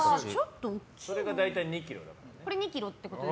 それが大体２ｋｇだから。